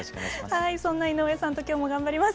はいそんな井上さんと今日も頑張ります。